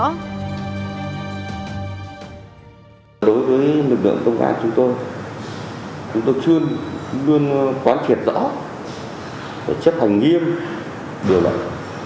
đối với lực lượng công an chúng tôi chúng tôi chưa luôn quán triệt rõ chấp hành nghiêm điều này